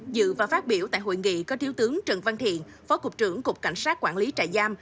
dự và phát biểu tại hội nghị có thiếu tướng trần văn thiện phó cục trưởng cục cảnh sát quản lý trại giam